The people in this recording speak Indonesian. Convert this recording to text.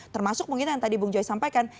termasuk mungkin yang tadi bung joy sampaikan